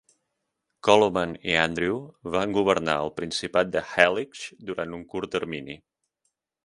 Coloman i Andrew van governar el principat de Halych durant un curt termini.